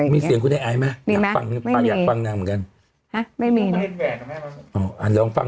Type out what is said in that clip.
ไม่งื่อเอ้าอ่านลองฟังนิดหนึ่งได้ไหมตรงนั้นอ่ะ